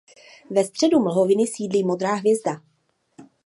Ve středu mlhoviny sídlí modrá hvězda.